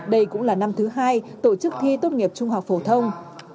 đây cũng là năm thứ hai tổ chức thi tốt nghiệp trung học phổ thông